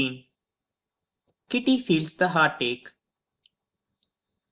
Kitty Feels the Heartache.